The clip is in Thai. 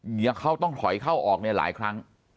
เงียบเขาต้องถอยเข้าออกหลายครั้ง